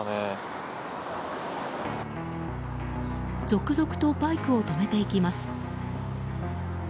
続々とバイクを止めていきます。